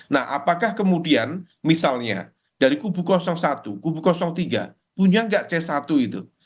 nah apakah kemudian misalnya dari kubu satu kubu tiga punya nggak c satu itu